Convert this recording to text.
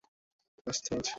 রাস্তা সাফ আছে।